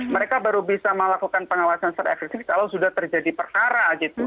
mereka baru bisa melakukan pengawasan secara efektif kalau sudah terjadi perkara gitu